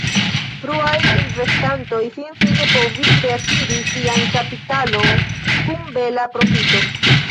Fruaj investantoj finfine povis reakiri sian kapitalon kun bela profito.